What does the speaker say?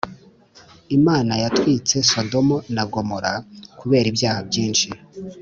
imana yatwitse sodomo na gomora kubera ibyaha byinshi